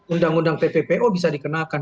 undang undang tppo bisa dikenakan